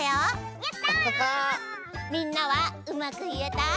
みんなはうまくいえた？